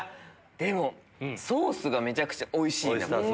でもソースがめちゃくちゃおいしい。